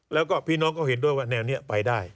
แล้วก็พี่น้องก็เห็นด้วยว่าแนวนี้ไปได้